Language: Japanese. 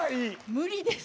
無理です。